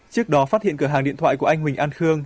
trước đó phát hiện cửa hàng điện thoại của anh huỳnh an khương